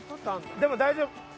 でも大丈夫。